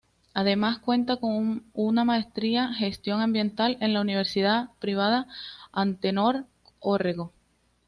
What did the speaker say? Además cuenta con un maestría Gestión Ambiental en la Universidad Privada Antenor Orrego.